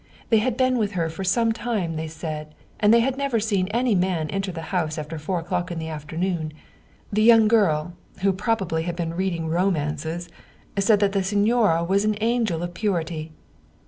They had been with her for some time, they said, and they had never seen any man enter the house after four o'clock in the afternoon. The young girl, who probably had been reading romances, said that the signora was an angel of purity."